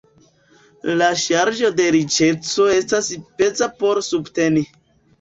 La ŝarĝo de riĉeco estas peza por subteni.